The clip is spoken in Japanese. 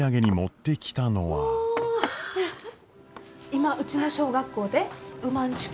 今うちの小学校でうまんちゅ